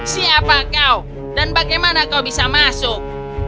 siapa kau dan bagaimana kau bisa masuk